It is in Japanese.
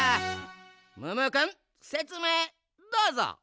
ムームーくんせつめいどうぞ！